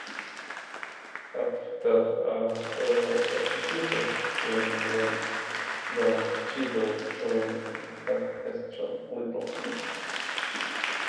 After several prosecutors came and went, Don Cheadle joined the cast as John Littleton.